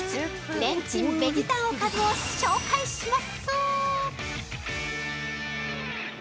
レンチンベジたんおかずを紹介します！